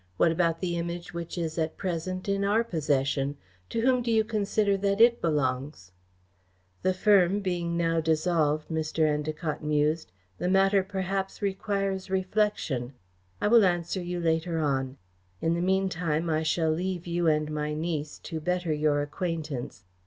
"What about the Image, which is at present in our possession? To whom do you consider that it belongs?" "The firm being now dissolved," Mr. Endacott mused, "the matter perhaps requires reflection. I will answer you later on. In the meantime, I shall leave you and my niece to better your acquaintance.